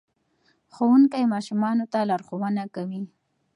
ښوونکی ماشومانو ته لارښوونه کوي.